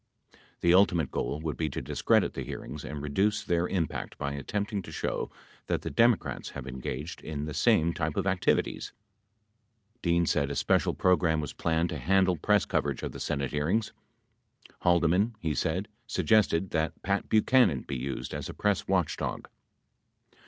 The ultimate goal would be to discredit the hearings and reduce their im pact by attempting to show that the Democrats have engaged in the same type of activities. 5 Dean said a special program was planned to handle press coverage of the Senate hearings. Haldeman, he said, suggested that Pat Bu chanan be used as a press watchdog.